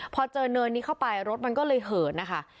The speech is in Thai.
พอเจอเนินนี้เข้าไปรถมันก็เลยเหินนะคะ